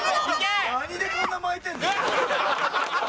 何でこんな巻いてんの？